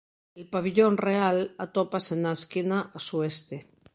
El Pavillón Real atópase na esquina sueste.